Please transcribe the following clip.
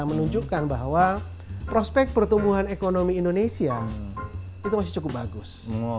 menunjukkan bahwa prospek pertumbuhan ekonomi indonesia itu masih cukup bagus